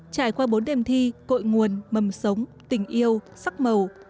trải qua bốn đêm thi cội nguồn mầm sống tình yêu sắc màu